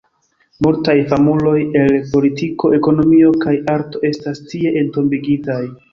Multaj famuloj el politiko, ekonomio kaj arto estas tie entombigitaj.